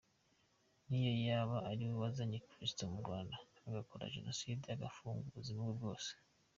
Niyo yaba ariwe wazanye Christo mu Rwanda agakora Jenoside ayafungwa ubuzima bwe bwose.